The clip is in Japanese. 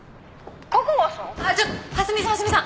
ちょっと蓮見さん蓮見さん！